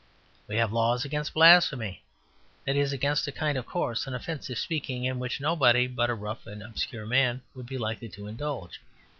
We have laws against blasphemy that is, against a kind of coarse and offensive speaking in which nobody but a rough and obscure man would be likely to indulge.